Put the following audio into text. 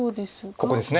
ここですね。